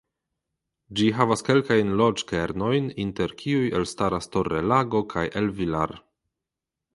Ĝi havas kelkajn loĝkernojn inter kiuj elstaras Torrelago kaj El Villar.